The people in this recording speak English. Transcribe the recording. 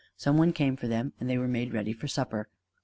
Some one came for them, and they were made ready for supper.